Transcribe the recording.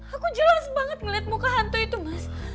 aku jelas banget ngeliat muka hantu itu mas